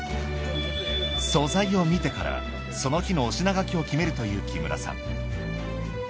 素材を見てからその日のお品書きを決めるという木村さん。